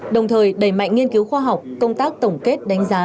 đồng thời đẩy mạnh nghiên cứu khoa học công tác tổng kết đánh giá